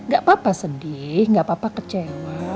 gak apa apa sedih gak apa apa kecewa